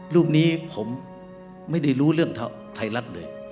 รูปนี้ผมไม่ได้รู้เรื่องไทยรัฐเลย